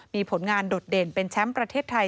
มีผลงานโดดเด่นเป็นแชมป์ประเทศไทย